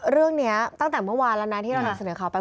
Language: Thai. เรื่องนี้ตั้งแต่เมื่อวานแล้วนะที่เรานำเสนอข่าวไป